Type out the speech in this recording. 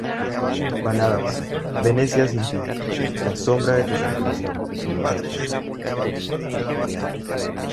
Baladas: Venecia Sin ti, La Sombra de Tu Sonrisa, Muchacha.